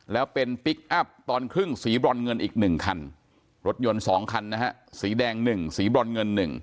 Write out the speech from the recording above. แล้วเป็นพลิกอัพตอนครึ่งสีบรอนเงินอีก๑คันรถยนต์๒คันนะฮะสีแดง๑สีบรอนเงิน๑